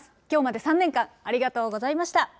きょうまで３年間、ありがとうございました。